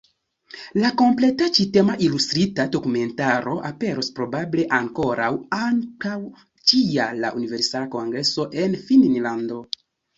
La kompleta ĉi-tema ilustrita dokumentaro aperos probable ankoraŭ antaŭ ĉi-jara Universala Kongreso en Finnlando.